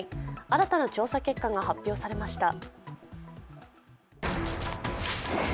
新たな調査結果が発表されました。